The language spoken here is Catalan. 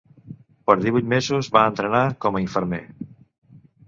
Per divuit mesos va entrenar com a infermer.